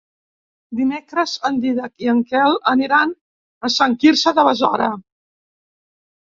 Dimecres en Dídac i en Quel aniran a Sant Quirze de Besora.